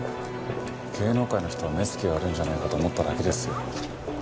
芸能界の人は目つきが悪いんじゃないかと思っただけですよ。